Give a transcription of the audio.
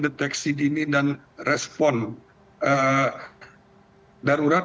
deteksi dini dan respon darurat